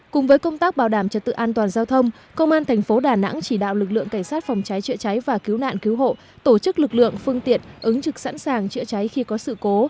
cùng với công tác bảo đảm trật tự an toàn giao thông công an thành phố đà nẵng chỉ đạo lực lượng cảnh sát phòng cháy chữa cháy và cứu nạn cứu hộ tổ chức lực lượng phương tiện ứng trực sẵn sàng chữa cháy khi có sự cố